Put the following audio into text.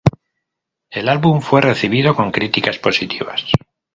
El álbum fue recibido con críticas positivas.